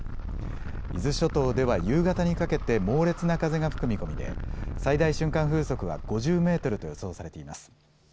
伊豆諸島では夕方にかけて猛烈な風が吹く見込みで最大瞬間風速は５０メートルと予想されています。